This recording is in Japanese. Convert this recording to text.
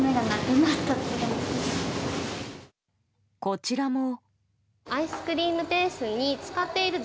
こちらも。